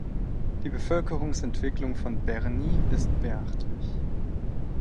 Die Bevölkerungsentwicklung von Bernis ist beachtlich.